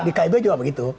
di kib juga begitu